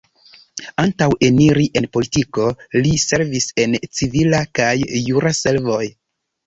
Antaŭ eniri en politiko, li servis en civila kaj jura servoj.